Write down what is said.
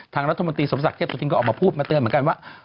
ทางรัฐมนตรีสมศักดิ์เทพสุธินก็ออกมาพูดมาเตือนเหมือนกันว่า